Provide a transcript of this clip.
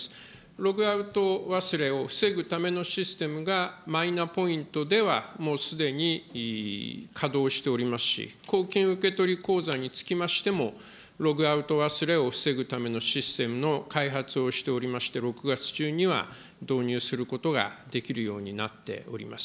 ログアウト忘れを防ぐためのシステムが、マイナポイントでは、もうすでに稼働しておりますし、公金受取口座につきましても、ログアウト忘れを防ぐためのシステムの開発をしておりまして、６月中には導入することができるようになっております。